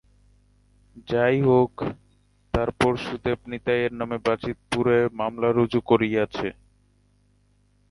যাই হোক, তারপর সুদেব নিতাইয়ের নামে বাজিতপুরে মামলা রুজু করিয়াছে।